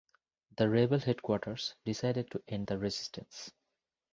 The rebel headquarters decided to end the resistance.